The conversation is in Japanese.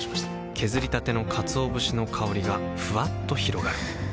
削りたてのかつお節の香りがふわっと広がるはぁ。